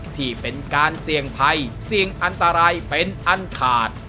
ที่เป็นการเสี่ยงภัยเสี่ยงอันตรายเป็นอันขาด